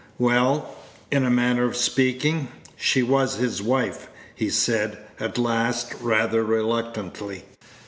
"Well, in a manner of speaking, she was his wife," he said at last, rather reluctantly.